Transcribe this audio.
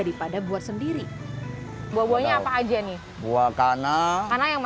yang spesial manisan segi delapan ini keluarnya setelah tiga bulan lalu dikumpulkan ke kota bingungan di tempat yang lainnya